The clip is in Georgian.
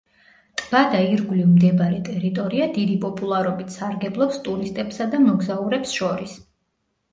ტბა და ირგვლივ მდებარე ტერიტორია დიდი პოპულარობით სარგებლობს ტურისტებსა და მოგზაურებს შორის.